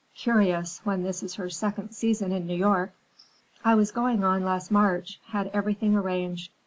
"Curious, when this is her second season in New York." "I was going on last March. Had everything arranged.